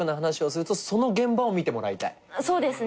そうですね。